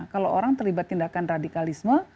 kalau orang terlibat tindakan radikalisme